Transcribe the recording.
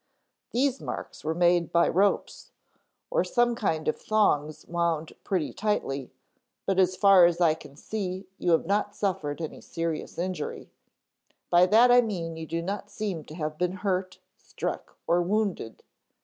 These marks were made by ropes, or some kind of thongs wound pretty tightly, but as far as I can see you have not suffered any serious injury; by that I mean you do not seem to have been hurt, struck or wounded.